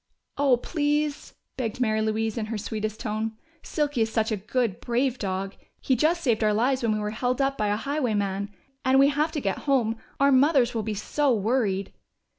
"Oh, please!" begged Mary Louise in her sweetest tone. "Silky is such a good, brave dog! He just saved our lives when we were held up by a highwayman. And we have to get home our mothers will be so worried."